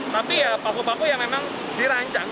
tapi ya paku paku yang memang dirancang